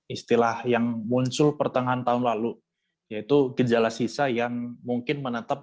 istilah yang muncul pertengahan tahun lalu yaitu gejala sisa yang mungkin menetap